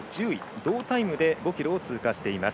同タイムで５ｋｍを通過しています。